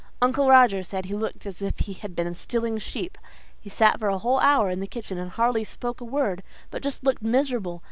Uncle Roger said he looked as if he had been stealing sheep. He sat for a whole hour in the kitchen and hardly spoke a word, but just looked miserable.